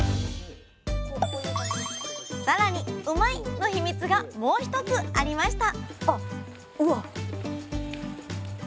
更にうまいッ！のヒミツがもう一つありました